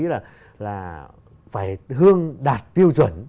là phải hương đạt tiêu chuẩn